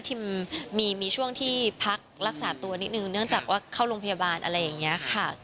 มีช่วงที่พักรักษาตัวนิดนึงเนื่องจากว่าเข้าโรงพยาบาลอะไรอย่างนี้ค่ะ